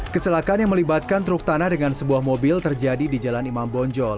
kecelakaan yang melibatkan truk tanah dengan sebuah mobil terjadi di jalan imam bonjol